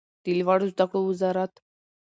د لوړو زده کړو وزارت